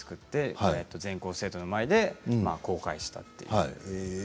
全校生徒の前で公開したという。